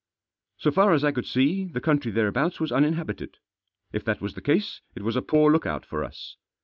So far as I could see the country thereabouts was uninhabited. If that was the case, it was a poor look out for us.